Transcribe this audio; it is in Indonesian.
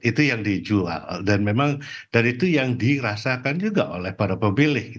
itu yang dijual dan memang dan itu yang dirasakan juga oleh para pemilih